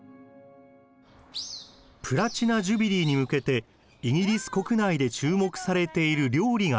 プラチナ・ジュビリーに向けてイギリス国内で注目されている料理があります。